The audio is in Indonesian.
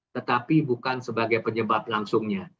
tetapi bukan sebagai penyebab langsungnya